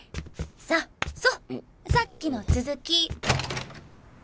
さささっきの続き。